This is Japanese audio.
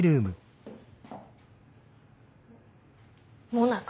もなか